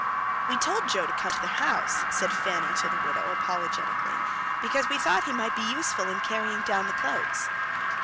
"We told Joe to come to the house," said Fanny to the widow, apologetically, "because we thought he might be useful in carrying down the cloaks."